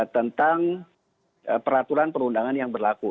tentang peraturan perundangan yang berlaku